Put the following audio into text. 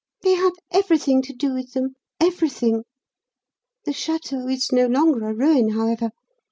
"They have everything to do with them everything. The Château is no longer a ruin, however.